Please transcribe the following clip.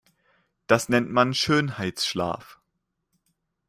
Das nennt man Schönheitsschlaf.